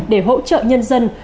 để hỗ trợ nhân dân